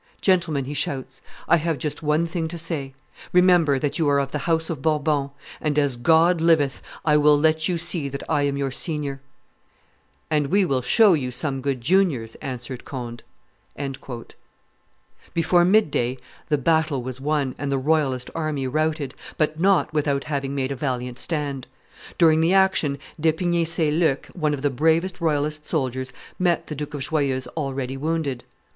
'Gentlemen,' he shouts, 'I have just one thing to say: remember that you are of the house of Bourbon; and, as God liveth, I will let you see that I am your senior.' 'And we will show you some good juniors,' answered Conde." Before midday the battle was won and the royalist army routed, but not without having made a valiant stand. During the action, D'Epinay Saint Luc, one of the bravest royalist soldiers, met the Duke of Joyeuse already wounded.